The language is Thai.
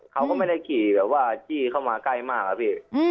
เขาก็ไม่ได้ขี่แบบว่าจี้เข้ามาใกล้มากอะพี่